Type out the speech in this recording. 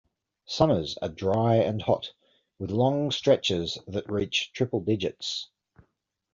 Summers are dry and hot, with long stretches that reach triple digits.